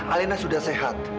alena sudah sehat